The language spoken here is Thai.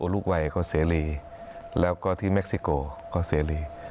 ลูกวัยก็เสรีแล้วก็ที่เม็กซิโกก็เสรี